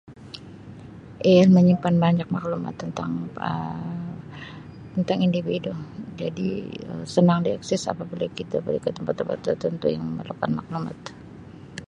Ia menyimpan banyak maklumat tentang Um tentang individu jadi senang di access apabila kita [unintelligible] betul-betul [unintelligible] maklumat.